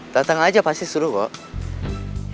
dateng aja pasti seru kok